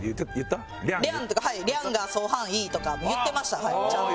「リャン」とかはい。とか言ってましたちゃんと。